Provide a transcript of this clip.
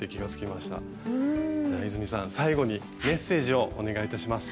泉さん最後にメッセージをお願いいたします。